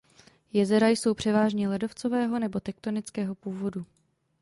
Jezera jsou převážně ledovcového nebo tektonického původu.